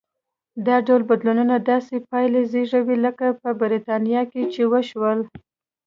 دا ډول بدلونونه داسې پایلې زېږوي لکه په برېټانیا کې چې وشول.